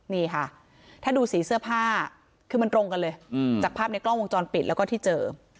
นี่ค่ะถ้าดูสีเสื้อผ้าคือมันตรงกันเลยจากภาพในกล้องวงจรปิดแล้วก็ที่เจอ